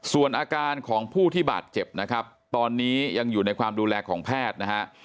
ส่วนอาการของผู้ที่บาดเจ็บนะครับตอนนี้ยังอยู่ในความดูแลของแพทย์นะฮะ